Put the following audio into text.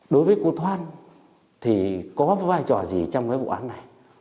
đối với cô thoan thì có vai trò gì trong cái vụ án này